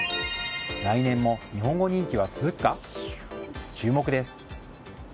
来年も日本語人気は続くか？